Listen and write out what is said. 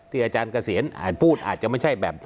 อาจารย์เกษียณพูดอาจจะไม่ใช่แบบ